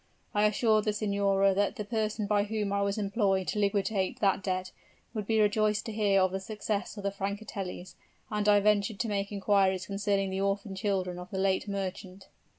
I assured the signora that the person by whom I was employed to liquidate that debt, would be rejoiced to hear of the success of the Francatellis, and I ventured to make inquiries concerning the orphan children of the late merchant."